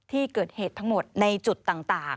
ที่เกิดเหตุทั้งหมดในจุดต่าง